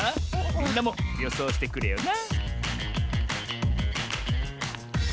みんなもよそうしてくれよな